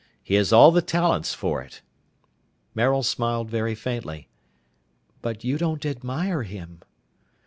He has all the talents for it." Maril smiled very faintly. "But you don't admire him."